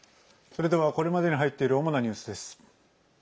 それではこれまでに入っている主なニュースです。